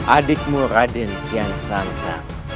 adikmu raden yang santan